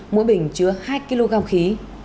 mỗi bình chứa hai kg khí